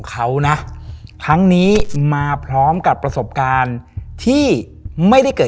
สวัสดีค่ะ